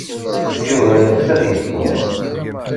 Yuba yeɣs ad yeffeɣ.